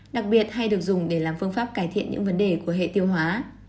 đặc biệt hay được dùng để làm phương pháp cải thiện những vấn đề của hệ tiêu hóa